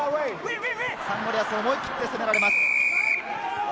サンゴリアス、思い切って攻められます。